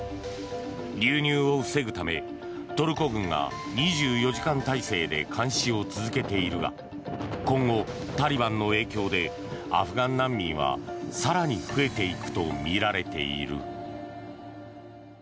流入を防ぐためトルコ軍が２４時間体制で監視を続けているが今後、タリバンの影響でアフガン難民は更に増えていくとみられている。